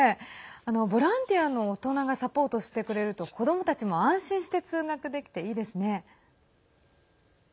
ボランティアの大人がサポートしてくれると子どもたちも安心して通学できていいですね。